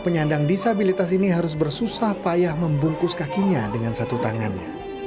penyandang disabilitas ini harus bersusah payah membungkus kakinya dengan satu tangannya